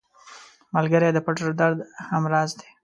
ملګری د پټ درد هم راز دی